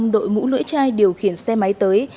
người đàn ông đội mũ lưỡi chai điều khiển xe máy tới